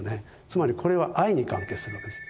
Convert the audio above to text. つまりこれは愛に関係するわけです。